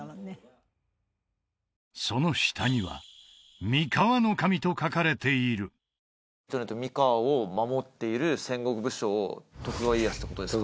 その下には「三河守」と書かれている三河を守っている戦国武将徳川家康ってことですか？